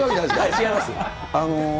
違います。